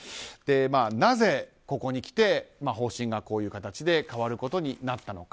なぜここにきて方針がこういう形で変わることになったのか。